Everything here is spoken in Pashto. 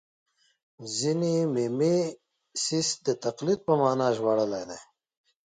ځینې میمیسیس د تقلید په مانا ژباړلی دی